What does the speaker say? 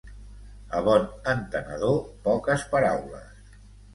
A bon entenedor, poques paraules.